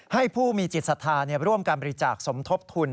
ให้ผู้มีจิตศรัทธาร่วมการบริจาคสมทบทุน